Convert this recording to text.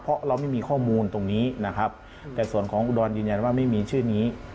เพราะเราไม่มีข้อมูลตรงนี้นะครับแต่ส่วนของอุดรยืนยันว่าไม่มีชื่อนี้